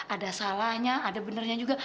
ada salahnya ada benarnya juga